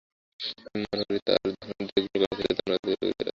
আমি মনে করি, কারা তাঁদের দেখভাল করছেন, এটা জানার অধিকার রোগীদের আছে।